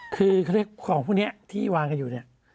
คือเขาเรียกของพวกนี้ที่วางกันอยู่เนี่ย